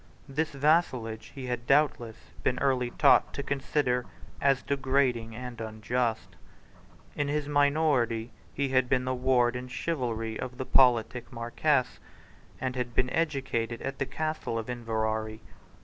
This vassalage he had doubtless been early taught to consider as degrading and unjust. In his minority he had been the ward in chivalry of the politic Marquess, and had been educated at the Castle of Inverary.